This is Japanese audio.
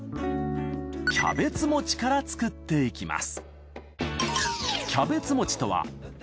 キャベツ餅から作っていきます